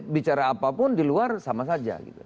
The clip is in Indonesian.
bicara apapun di luar sama saja